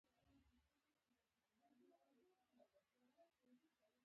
زړه مې غوښت چې دا کيف ابدي واوسي.